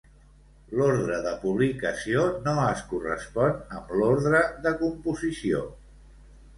L'ordre de publicació no es correspon amb l'ordre de composició.